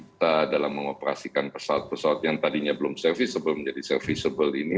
supaya kita dalam mengoperasikan pesawat pesawat yang tadinya belum serviceable menjadi serviceable ini